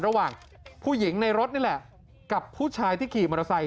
ระหว่างผู้หญิงในรถนี่แหละกับผู้ชายที่ขี่มอเตอร์ไซค